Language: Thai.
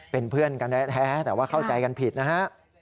เป็นเพื่อนกันแท้แต่ว่าเข้าใจกันผิดนะฮะ